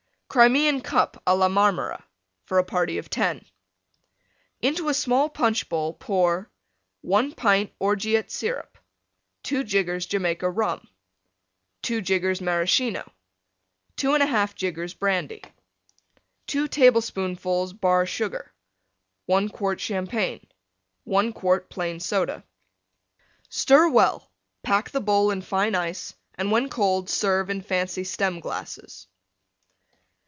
CRIMEAN CUP A LA MARMORA (for a party of 10) Into a small Punch bowl pour: 1 pint Orgeat Syrup. 2 jiggers Jamaica Rum. 2 jiggers Maraschino. 2 1/2 jiggers Brandy. 2 tablespoonfuls Bar Sugar. 1 quart Champagne. 1 quart Plain Soda. Stir well; pack the bowl in Fine Ice, and when cold serve in fancy Stem glasses.